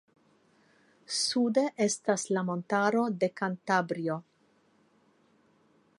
Sude estas la Montaro de Kantabrio.